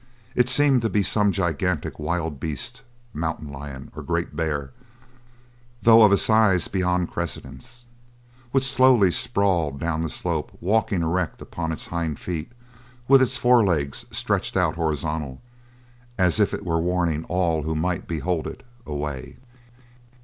It seemed to be some gigantic wild beast mountain lion or great bear, though of a size beyond credence which slowly sprawled down the slope walking erect upon its hind feet with its forelegs stretched out horizontal, as if it were warning all who might behold it away.